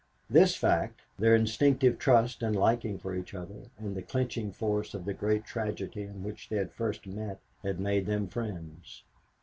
This fact, their instinctive trust and liking for each other, and the clinching force of the great tragedy in which they had first met had made them friends.